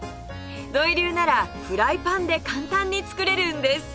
土井流ならフライパンで簡単に作れるんです！